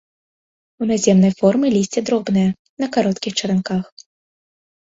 У наземнай формы лісце дробнае, на кароткіх чаранках.